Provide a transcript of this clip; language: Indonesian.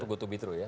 tugutubi true ya